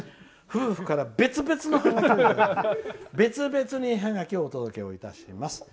夫婦から別々に絵ハガキをお届けいたします。